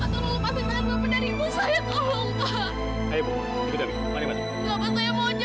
tolong lepasin tangan bapak dari ibu saya